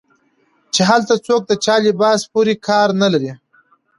چې هلته څوک د چا لباس پورې کار نه لري